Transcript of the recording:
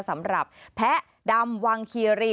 สำหรับแพะดำวังคีรี